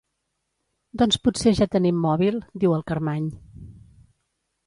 Doncs potser ja tenim mòbil —diu el Carmany.